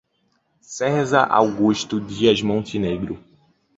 Cezar Augusto Dias Montenegro